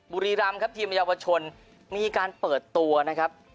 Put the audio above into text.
บุรีรำครับทีมเยาวชนมีการเปิดตัวนะครับ